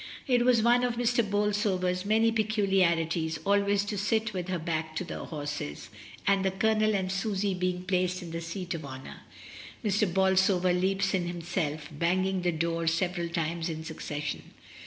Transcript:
It was one of Mrs. Bolsover's many peculiarities always to sit with her back to the horses, and the Colonel and Susy being placed in the seat of honour, Mr. Bolsover leaps in himself, banging the door several times in succession.